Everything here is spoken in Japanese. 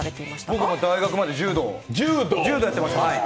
僕、大学まで柔道やってました。